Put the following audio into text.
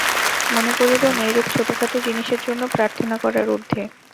মনে করিবেন, এইরূপ ছোটখাটো জিনিষের জন্য প্রার্থনা করার ঊর্ধ্বে।